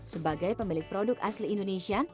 sebagai pemilik produk asli indonesia